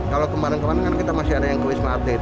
kalau kemarin kemarin kan kita masih ada yang ke wisma atlet